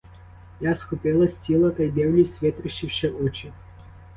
Я схопилась, сіла та й дивлюсь, витріщивши очі.